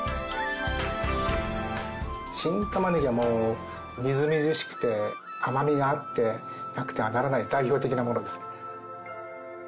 新玉ねぎはもうみずみずしくて甘みがあってなくてはならない代表的なものですね。